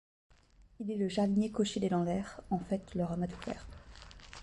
Il est le jardinier-cocher des Lanlaire, en fait leur homme à tout faire.